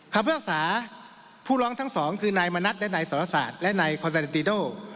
คำพิวักษาผู้ร้องทั้งสองคือนายมณัติและนายสรษะและนายคอนซาดีโน